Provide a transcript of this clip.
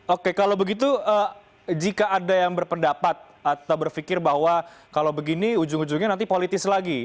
oke kalau begitu jika ada yang berpendapat atau berpikir bahwa kalau begini ujung ujungnya nanti politis lagi